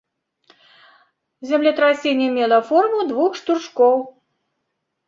Землетрасенне мела форму двух штуршкоў.